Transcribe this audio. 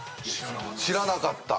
知らなかった。